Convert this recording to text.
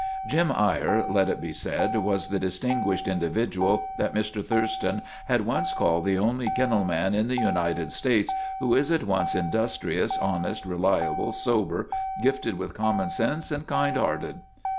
Jim Eyre, let it be said, was the distinguished in dividual that Mr. Thurston had once called " the only kennel man in the United States who is at once industrious, honest, reliable, sober, gifted with com mon sense, and kind hearted."